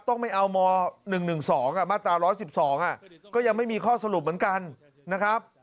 ต้องไม่เอาม๑๑๒มาตรา๑๑๒ก็ยังไม่มีข้อสรุปเหมือนกันนะครับ